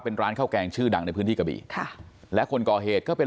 เป็นร้านข้าวแกงชื่อดังในพื้นที่กะบี่ค่ะและคนก่อเหตุก็เป็น